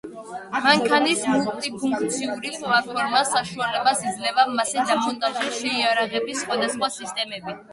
მანქანის მულტიფუნქციური პლატფორმა საშუალებას იძლევა მასზე დამონტაჟდეს შეიარაღების სხვადასხვა სისტემები.